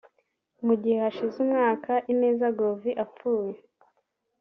Mu gihe hashize umwaka Ineza Glovin apfuye